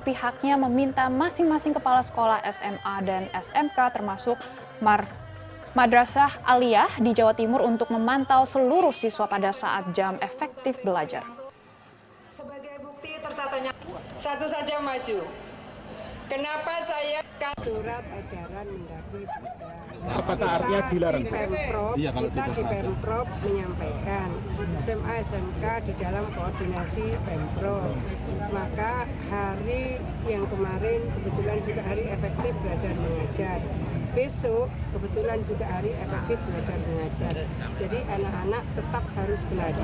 pihak sekolah diminta melakukan pengawasan pada senin tiga puluh september ini